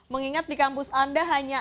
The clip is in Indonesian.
mengingat di kampus anda hanya